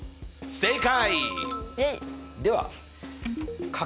正解！